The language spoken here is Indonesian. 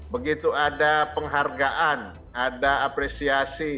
begitu ada penghargaan ada apresiasi